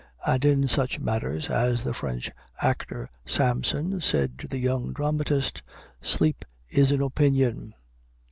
And in such matters, as the French actor, Samson, said to the young dramatist, "sleep is an opinion."